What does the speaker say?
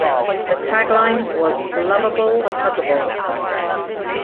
The tagline was "Loveable Huggable".